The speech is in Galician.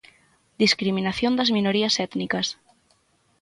Discriminación das minorías étnicas.